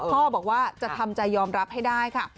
พ่อบอกว่าจะทำใจยอมรับให้ได้ค่ะ